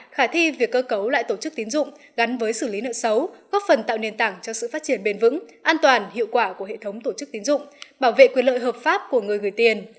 khả thi việc cơ cấu lại tổ chức tín dụng gắn với xử lý nợ xấu góp phần tạo nền tảng cho sự phát triển bền vững an toàn hiệu quả của hệ thống tổ chức tín dụng bảo vệ quyền lợi hợp pháp của người gửi tiền